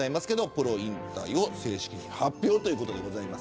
プロ引退を正式に発表ということです。